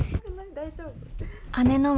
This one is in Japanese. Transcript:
大丈夫？